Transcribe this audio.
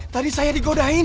tadi saya digodain